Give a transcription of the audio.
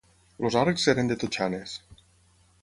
Els arcs eren de totxanes.